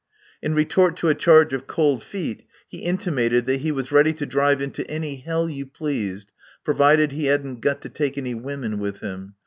In retort to a charge of cold feet, he intimated that he was ready to drive into any hell you pleased, provided he hadn't got to take any women with him.